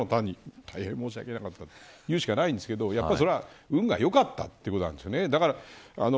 私は大変申し訳なかったと言うしかないんですけどやっぱり、それは運が良かったということなんですね。